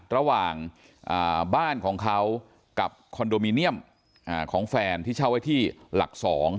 ระหว่างบ้านของเขากับคอนโดมิเนียมของแฟนที่เช่าไว้ที่หลัก๒